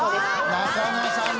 中野さんだ。